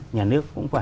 nhà nước cũng phải